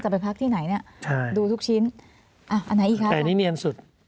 ไปพักที่ไหนเนี่ยดูทุกชิ้นอ่ะอันไหนอีกคะแต่นี่เนียนสุด